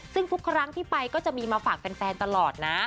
ซึ่งทุกครั้งที่ไปก็จะมีมาฝากแฟนตลอดนะ